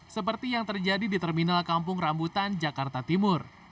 seperti yang terjadi di terminal kampung rambutan jakarta timur